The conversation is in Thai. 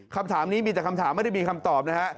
คำถามนี้มีแต่คำถามไม่ได้มีคำตอบนะฮะ